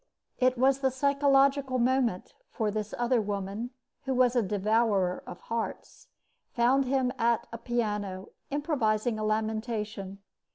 It was the psychological moment; for this other woman, who was a devourer of hearts, found him at a piano, improvising a lamentation.